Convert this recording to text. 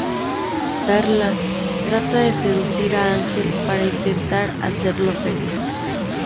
Darla trata de seducir a Ángel para intentar hacerlo feliz.